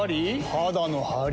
肌のハリ？